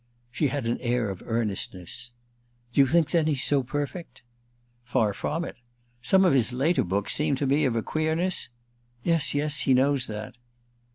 She had an air of earnestness. "Do you think then he's so perfect?" "Far from it. Some of his later books seem to me of a queerness—!" "Yes, yes—he knows that."